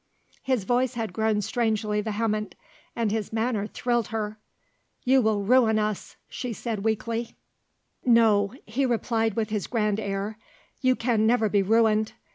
His voice had grown strangely vehement and his manner thrilled her. "You will ruin us," she said weakly. "No," he replied with his grand air, "you can never be ruined.